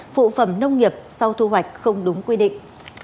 phụ phẩm nông nghiệp sau thu hoạch không đúng quy định